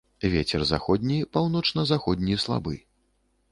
Вецер заходні, паўночна-заходні слабы.